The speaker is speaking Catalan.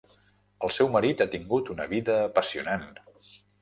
El seu marit ha tingut una vida apassionant.